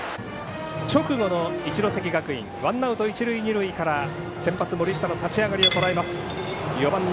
直後の一関学院ワンアウト一塁二塁から先発、森下の立ち上がりをとらえます。